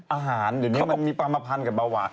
อาหารเดี๋ยวนี้มันมันมีพรรภัณฑ์กับเบาหวาน